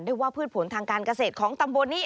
ว่าพืชผลทางการเกษตรของตำบลนี้